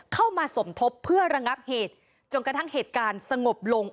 เข้ามาสมทบเพื่อระงับเหตุจนกระทั่งเหตุการณ์สงบลง